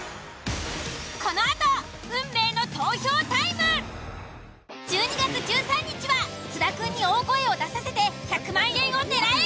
このあと１２月１３日は津田くんに大声を出させて１００万円を狙え！